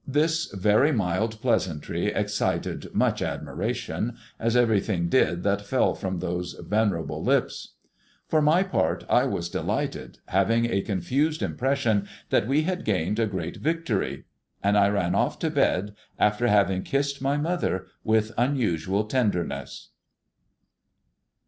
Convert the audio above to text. This very mild pleasantry excited much admiration, as everything did that fell from those venerable lips. For my part I was delighted, having a confused impression that we had gained a great victory; and I ran off to bed after having kissed my mother with unusual tenderness.